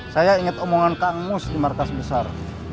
saya ingat omongan kang mus di markas besar